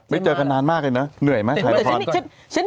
ไปเจอกันนานมากเลยเนอะ